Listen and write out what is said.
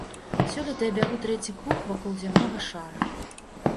Сёлета я бягу трэці круг вакол зямнога шара.